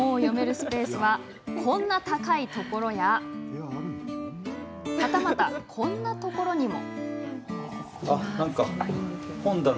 スペースはこんな高いところやはたまた、こんなところにも。